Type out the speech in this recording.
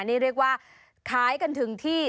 นี่เรียกว่าขายกันถึงที่